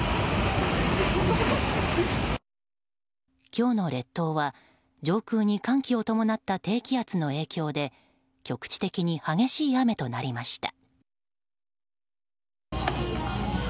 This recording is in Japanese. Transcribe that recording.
今日の列島は上空に寒気を伴った低気圧の影響で局地的に激しい雨となりました。